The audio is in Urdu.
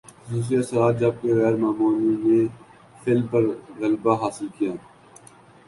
خصوصی اثرات جبکہ غیر معمولی نے فلم پر غلبہ حاصل کیا